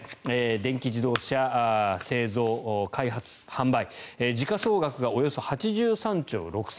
電気自動車製造・開発・販売時価総額がおよそ８３兆６０００億円。